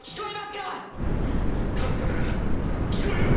かすかだが聞こえる